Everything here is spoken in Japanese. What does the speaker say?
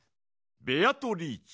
ベアトリーチェ。